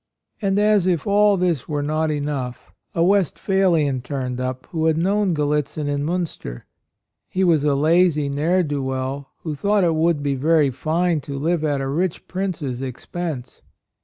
And as if all this were not enough, a Westphalian turned up who had known Gallitzin in Minister. He was a lazy ne'er do well, who thought it would be very fine to live at a rich prince's expense.